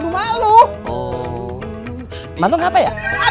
mau balik rumah